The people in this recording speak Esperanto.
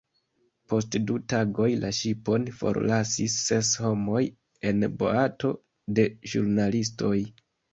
Post du tagoj la ŝipon forlasis ses homoj en boato de ĵurnalistoj.